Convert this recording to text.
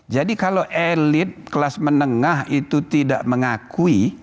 jadi kalau elit kelas menengah itu tidak mengakui